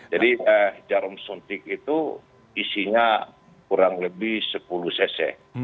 jadi jarum suntik itu isinya kurang lebih sepuluh cc